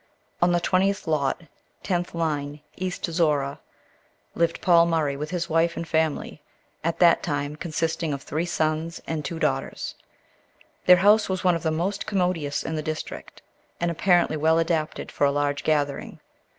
On the 20th lot, 10th line, East Zorra, lived Paul Murray with his wife and family, at that time consisting of three sons and two daughters. Their house was one of the most commodious in the district, and apparently well adapted for a large gathering.